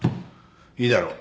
いいだろう。